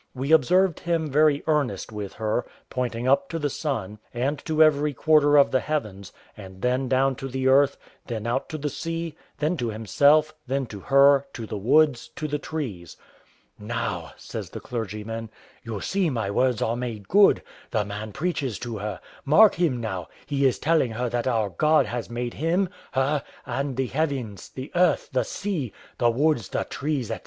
We observed him very earnest with her, pointing up to the sun, and to every quarter of the heavens, and then down to the earth, then out to the sea, then to himself, then to her, to the woods, to the trees. "Now," says the clergyman, "you see my words are made good, the man preaches to her; mark him now, he is telling her that our God has made him, her, and the heavens, the earth, the sea, the woods, the trees, &c."